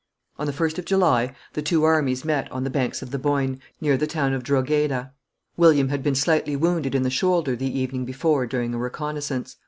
On the 1st of July the two armies met on the banks of the Boyne, near the town of Drogheda. William had been slightly wounded in the shoulder the evening before during a reconnaissance.